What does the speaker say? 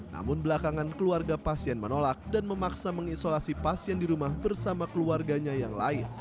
namun belakangan keluarga pasien menolak dan memaksa mengisolasi pasien di rumah bersama keluarganya yang lain